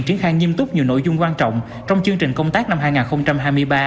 triển khai nghiêm túc nhiều nội dung quan trọng trong chương trình công tác năm hai nghìn hai mươi ba